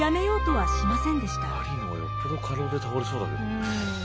マリーの方がよっぽど過労で倒れそうだけどね。